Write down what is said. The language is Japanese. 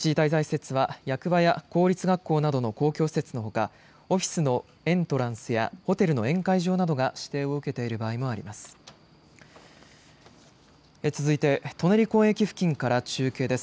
一時滞在施設は役場や公立学校などの公共施設のほかオフィスのエントランスやホテルの宴会場などが指定を受けている場合もあります。